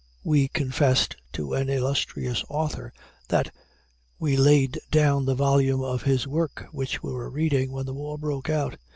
We confessed to an illustrious author that we laid down the volume of his work which we were reading when the war broke out.